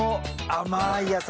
甘い野菜？